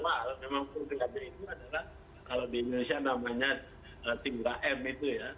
mahal memang programnya itu adalah kalau di indonesia namanya tiga m itu ya